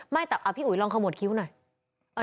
ไม่แต่พี่อุ๊ยลองขโมดคิ้วหน่อย